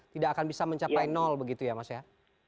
tidak akan bisa mencapai nol begitu ya mas ya